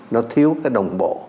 nó thiếu cái đồng bộ